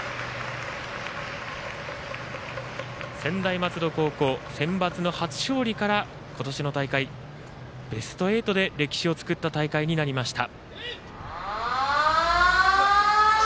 専大松戸高校センバツの初勝利から今年の大会、ベスト８で歴史を作った大会になりました。